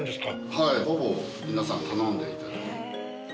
はいほぼ皆さん頼んでいただく。